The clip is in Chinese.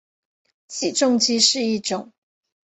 起重机是一种。